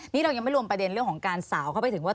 นี่เรายังไม่รวมประเด็นเรื่องของการสาวเข้าไปถึงว่า